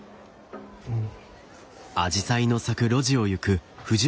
うん。